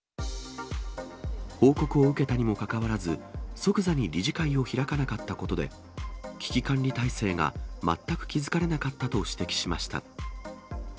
報告を受けたにもかかわらず、即座に理事会を開かなかったことで、危機管理体制が全く築かれなかったと指摘しました。